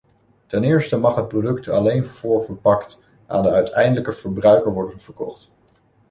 Ten eerste mag het product alleen voorverpakt aan de uiteindelijke verbruiker worden verkocht.